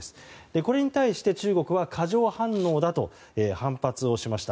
これに対して中国は過剰反応だと反発をしました。